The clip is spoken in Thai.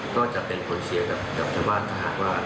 ก็จะเป็นผลเชียร์กับชาวภาคศาสตร์ว่า